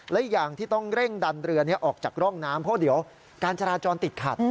และอย่างที่ต้องเร่งดันเรือนี้ออกจากร่องน้ำเพราะเดี๋ยวการจราจรติดขัด